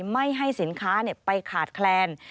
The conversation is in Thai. ไม่ให้สินค้าไปขาดแคลน